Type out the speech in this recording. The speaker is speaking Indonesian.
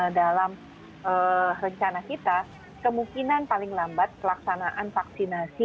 dalam rencana kita kemungkinan paling lambat pelaksanaan vaksinasi